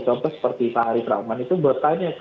contoh seperti pak arief rahman itu bertanya ke